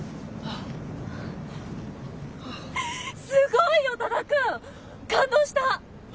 すごいよ多田くん！感動した。